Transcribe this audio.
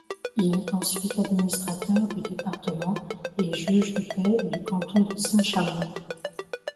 Il est ensuite administrateur du département et juge de paix du canton de Saint-Chamond.